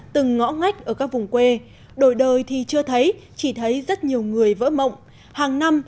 từng ngõ ngách ở các vùng quê đổi đời thì chưa thấy chỉ thấy rất nhiều người vỡ mộng hàng năm